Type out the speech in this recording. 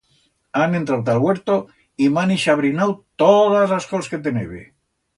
Han entrau ta'l huerto y m'han ixabrinau todas las cols que tenebe.